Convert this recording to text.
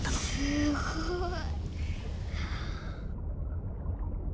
すごい。